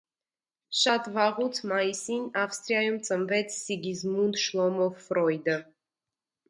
Շատ վաղուց՝ մայիսին, Ավստրիայում ծնվեց Սիգիզմունդ Շլոմո Ֆրոյդը: